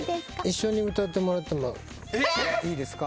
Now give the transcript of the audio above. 一緒に歌ってもらってもいいですか？